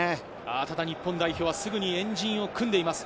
ただ日本代表はすぐに円陣を組んでいます。